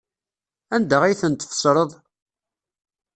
Anda ay tent-tfesreḍ?